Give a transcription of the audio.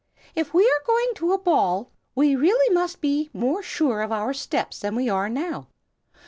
If we are going to a ball, we really must be more sure of our steps than we are now.